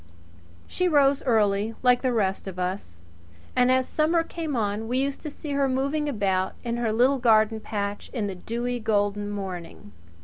She rose early, like the rest of us; and as summer came on we used to see her moving about in her little garden patch in the dewy, golden morning.